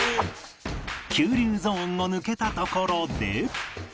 急流ゾーンを抜けたところで